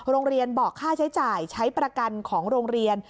โรงเรียนบอกค่าใช้จ่ายใช้ประกันของโรงเรียน